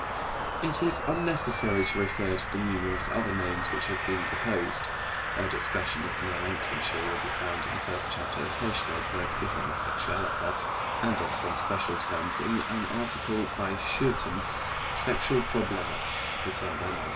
It is unnecessary to refer to the numerous other names which have been proposed. (A discussion of the nomenclature will be found in the first chapter of Hirschfeld's work, Die Homosexualität, and of some special terms in an article by Schouten, Sexual Probleme, December, 1912.)